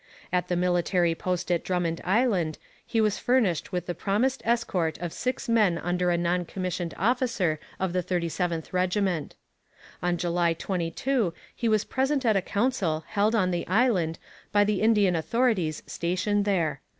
At the military post at Drummond Island he was furnished with the promised escort of six men under a non commissioned officer of the 37th regiment. On July 22 he was present at a council held on the island by the Indian authorities stationed there.